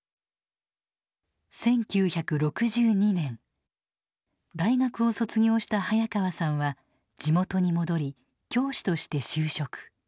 １９６２年大学を卒業した早川さんは地元に戻り教師として就職。